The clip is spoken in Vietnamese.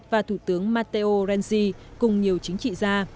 và thủ tướng matteo rensi cùng nhiều chính trị gia